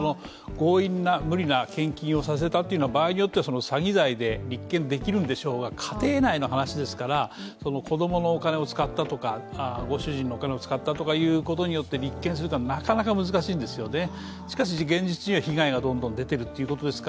強引な、無理な献金をさせたというのは、場合によっては詐欺罪で立件できるんでしょうが、家庭内の話ですから子供のお金を使ったとかご主人のお金を使ったとかで立件するのは、なかなか難しいんですよね。